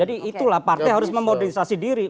jadi itulah partai harus memodernisasi diri